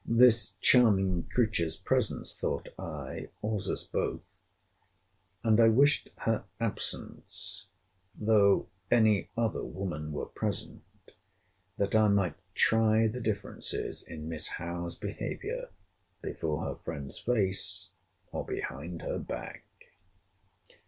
This charming creature's presence, thought I, awes us both. And I wished her absence, though any other woman were present, that I might try the differences in Miss Howe's behaviour before her friend's face, or behind her back.